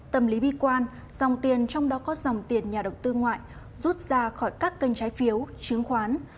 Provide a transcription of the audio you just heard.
tâm lý bi quan dòng tiền trong đó có dòng tiền nhà đầu tư ngoại rút ra khỏi các kênh trái phiếu trứng khoán